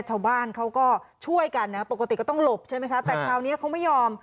ชาวบ้านเขาก็ช่วยกันนะปกติก็ต้องหลบใช่ไหมคะแต่คราวนี้เขาไม่ยอม